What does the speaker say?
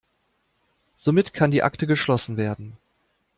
Somit kann die Akte geschlossen werden.